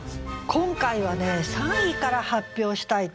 今回はね３位から発表したいと思います。